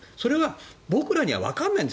僕らにはわからないんです。